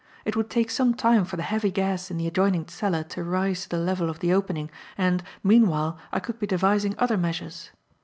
It would take some time for the heavy gas in the adjoining cellar to rise to the level of the opening, and, meanwhile, I could be devising other measures.